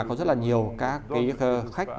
có rất là nhiều các cái khách